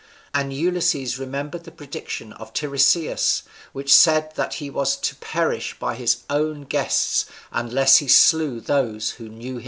And Ulysses remembered the prediction of Tiresias, which said that he was to perish by his own guests, unless he slew those who knew him not.